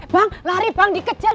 bang lari bang dikejar